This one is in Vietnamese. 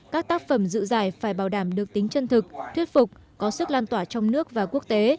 các tác phẩm dự giải phải bảo đảm được tính chân thực thuyết phục có sức lan tỏa trong nước và quốc tế